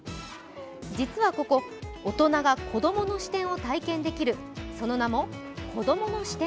実はここ、大人が子供の視点を体験できる、その名も、こどもの視点